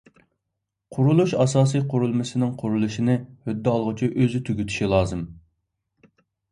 قۇرۇلۇش ئاساسىي قۇرۇلمىسىنىڭ قۇرۇلۇشىنى ھۆددە ئالغۇچى ئۆزى تۈگىتىشى لازىم.